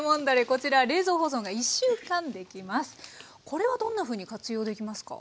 これはどんなふうに活用できますか？